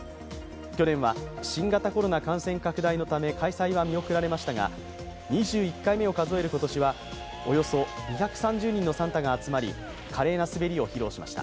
去年は新型コロナ感染拡大のため開催は見送られましたが２１回目を数える今年はおよそ２３０人のサンタが集まり、華麗な滑りを披露しました。